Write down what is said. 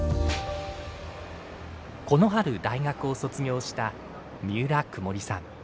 この春大学を卒業した三浦くもりさん。